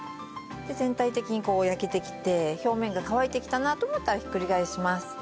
で全体的にこう焼けてきて表面が乾いてきたなと思ったらひっくり返します。